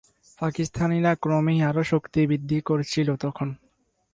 পাকিস্তানিরা ক্রমেই আরও শক্তি বৃদ্ধি করছিল তখন।